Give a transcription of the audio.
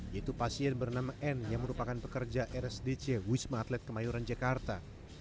yaitu pasien bernama n yang merupakan pekerja rsdc wisma atlet kemayoran jakarta